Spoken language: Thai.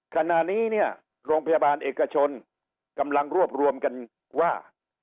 ขณะนี้เนี่ยโรงพยาบาลเอกชนกำลังรวบรวมกันว่า